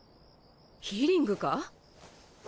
ヒリングか？